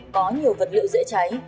có nhiều vật liệu dễ cháy